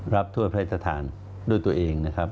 ถ้วยพระราชทานด้วยตัวเองนะครับ